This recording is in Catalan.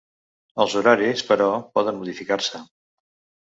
Els horaris, però, poden modificar-se.